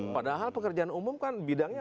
padahal pekerjaan umum kan bidangnya